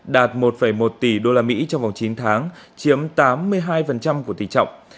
đạt một một tỷ usd trong vòng chín tháng chiếm tám mươi hai của tỷ trọng